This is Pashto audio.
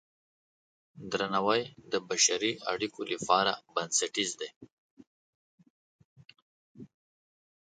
درناوی د بشري اړیکو لپاره بنسټیز دی.